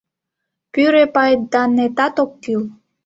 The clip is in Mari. Пӱрӧ пайданетат ок кӱл.